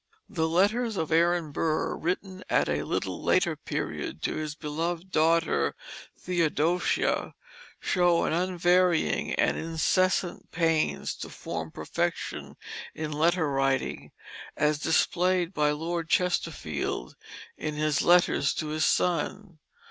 The letters of Aaron Burr, written at a little later period to his beloved daughter Theodosia, show as unvarying and incessant pains to form perfection in letter writing, as was displayed by Lord Chesterfield in his letters to his son.